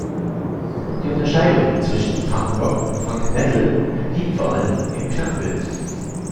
Die Unterscheidung zwischen Funk Rock und Funk Metal liegt vor allem im Klangbild.